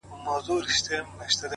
• هغه د ساه کښلو لپاره جادوگري غواړي؛